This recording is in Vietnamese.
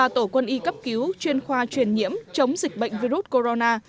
ba tổ quân y cấp cứu chuyên khoa truyền nhiễm chống dịch bệnh virus corona